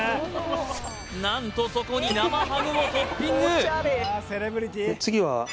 何とそこに生ハムもトッピング